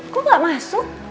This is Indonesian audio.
kok ga masuk